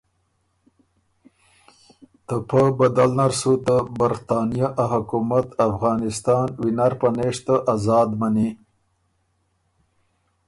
ته پۀ بدل نر سُو ته برطانیه ا حکومت افغانستان وینر پنېشته آزاد منی۔